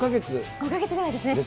５か月ぐらいですね。